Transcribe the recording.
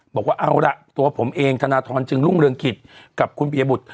บอกว่าเอาล่ะตัวผมเองธนทรจึงรุ่งเรืองกิจกับคุณปียบุตร